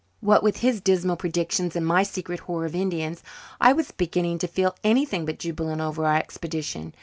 What with his dismal predictions and my secret horror of Indians, I was beginning to feel anything but jubilant over our expedition.